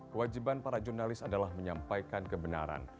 kewajiban para jurnalis adalah menyampaikan kebenaran